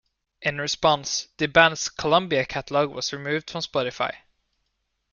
In response, the band's Columbia catalog was removed from Spotify.